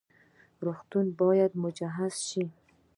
روغتونونه باید مجهز شي